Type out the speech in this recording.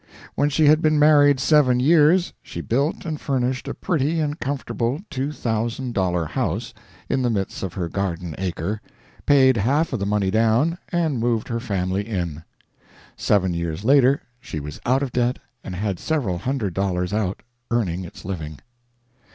When she had been married seven years she built and furnished a pretty and comfortable two thousand dollar house in the midst of her garden acre, paid half of the money down and moved her family in. Seven years later she was out of debt and had several hundred dollars out earning its living.